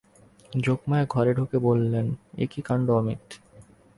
যোগমায়া ঘরে ঢুকে বললেন, এ কী কাণ্ড অমিত।